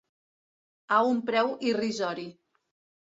A un preu irrisori.